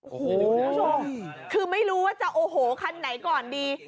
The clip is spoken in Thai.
โอ้โหคุณผู้ชมคือไม่รู้ว่าจะโอ้โหคันไหนก่อนดี